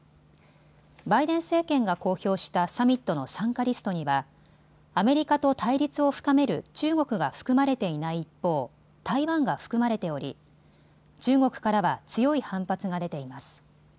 バイデン政権が公表したサミットの参加リストにはアメリカと対立を深める中国が含まれていない一方、台湾が含まれており中国からは強い反発が出ています。